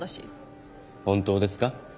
本当ですか？